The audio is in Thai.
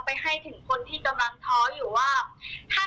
ไปให้ถึงคนที่กำลังท้ออยู่ว่า